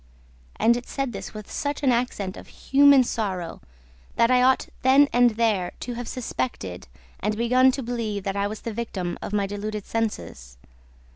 And it said this with such an accent of HUMAN sorrow that I ought then and there to have suspected and begun to believe that I was the victim of my deluded senses.